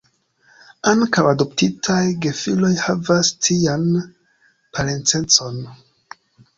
Ankaŭ adoptitaj gefiloj havas tian parencecon.